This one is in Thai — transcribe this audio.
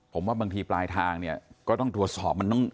ผมว่าบางทีปลายทางเนี่ยก็ต้องตรวจสอบมันต้อง